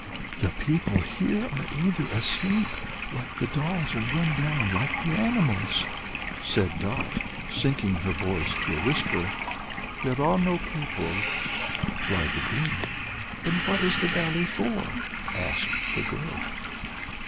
"The people here are either asleep, like the dolls, or run down, like the animals," said Dot, sinking her voice to a whisper. "There are no people," replied the Queen. "Then what is the Valley for?" asked the girl.